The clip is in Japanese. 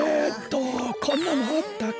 こんなのあったっけ？